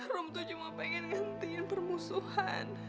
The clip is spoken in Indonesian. rum itu cuma pengen ngantikan permusuhan